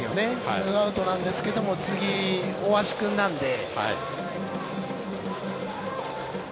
ツーアウトなんですけども次、大橋君なので。